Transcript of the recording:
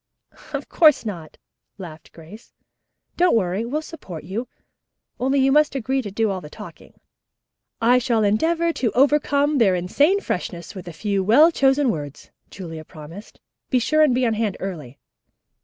"Of course not," laughed Grace. "Don't worry. We'll support you, only you must agree to do all the talking." "I shall endeavor to overcome their insane freshness with a few well chosen words," Julia promised. "Be sure and be on hand early."